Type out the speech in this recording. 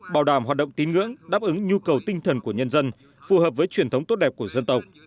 bảo đảm hoạt động tín ngưỡng đáp ứng nhu cầu tinh thần của nhân dân phù hợp với truyền thống tốt đẹp của dân tộc